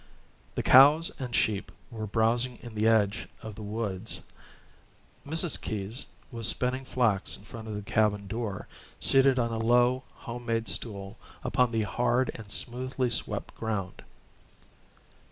The cows and sheep were browsing in the edge of the woods. Mrs. Keyes was spinning flax in front of the cabin door, seated on a low, home made stool upon the hard and smoothly swept ground.